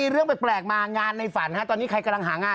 รับงานไปน้อง